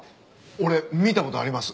俺見た事あります。